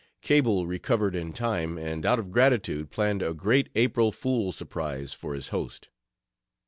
Cable recovered in time, and out of gratitude planned a great April fool surprise for his host.